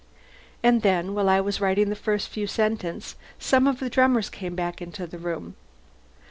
And then, while I was writing the first few sentences, some of the drummers came back into the room.